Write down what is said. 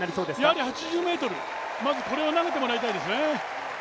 やはり８０ｍ、これを投げてもらいたいですね。